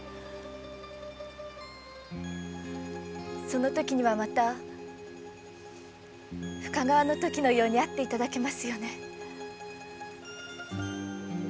その時にはまた深川のときのように会って頂けますよね。